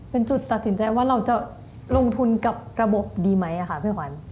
เป็นจุดตัดสินใจว่าเราจะลงทุนกับระบบดีไหมคะพี่ขวัญ